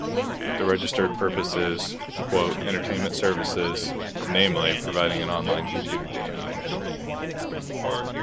The registered purpose is "entertainment services, namely, providing an on-line computer game".